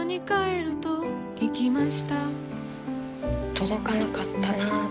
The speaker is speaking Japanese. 届かなかったな。